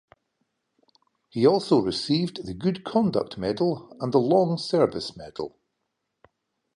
He also received the Good Conduct Medal and the Long Service Medal.